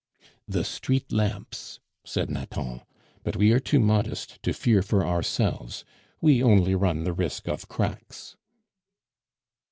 "The street lamps!" said Nathan; "but we are too modest to fear for ourselves, we only run the risk of cracks."